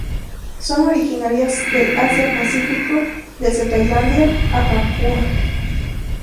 Son originarias del Asia-pacífico desde Tailandia a Papúa.